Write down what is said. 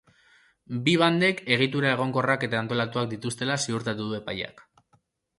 Bi bandek egitura egonkorrak eta antolatuak dituztela ziurtatu du epaileak.